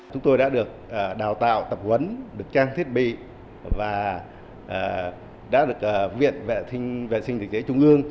chúng tôi đã được đào tạo tập huấn được trang thiết bị và đã được viện vệ sinh dịch dễ trung ương